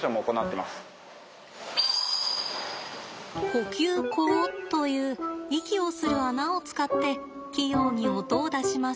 呼吸孔という息をする穴を使って器用に音を出します。